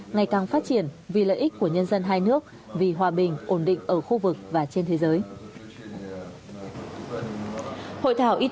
ngày càng phát triển vì lợi ích của nhân dân hai nước vì hòa bình ổn định ở khu vực và trên thế giới